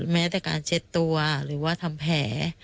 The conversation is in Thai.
แม้แต่การเช็ดตัวหรือว่าทำแผล